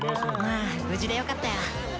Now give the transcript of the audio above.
まぁ無事でよかったよ！